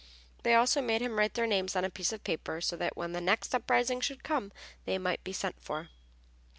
They also made him write their names on a piece of paper so that when the next uprising should come they might be sent for.